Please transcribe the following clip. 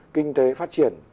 kinh tế phát triển